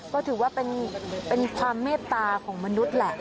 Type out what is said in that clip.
ก็ถือว่าเป็นความเมตตาของมนุษย์แหละ